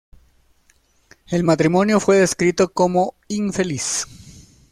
El matrimonio fue descrito como infeliz.